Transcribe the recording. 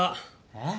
えっ？